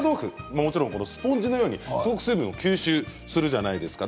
もちろんスポンジのようにすごく水分を吸収するじゃないですか。